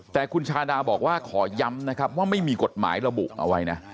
แต่คุณชาดาบอกว่าขอย้ำนะครับว่าไม่มีกฎหมายระบุเอาไว้นะ